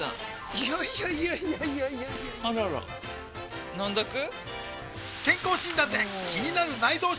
いやいやいやいやあらら飲んどく？